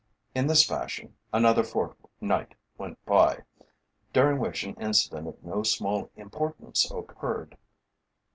In this fashion another fortnight went by, during which an incident of no small importance occurred.